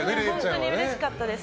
本当にうれしかったです。